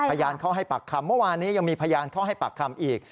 พยานเข้าให้ปากคำเมื่อวานนี้ยังมีพยานเข้าให้ปากคำอีก